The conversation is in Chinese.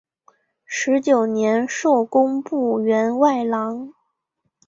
十九年授工部员外郎。